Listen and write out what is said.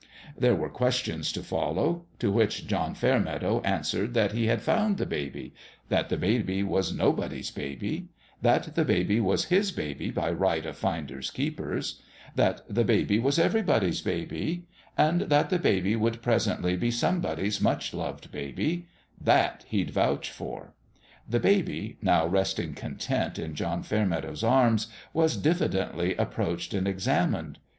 There were questions to follow : to which John Fairmeadow answered that he had found the baby that the baby was nobody's baby that the baby was his baby by right of finders keepers that the baby was everybody's baby and that the baby would presently be somebody's much loved baby, that he'd vouch for ! The baby, now resting content in John Fairmeadow's arms, was diffidently ap proached and examined.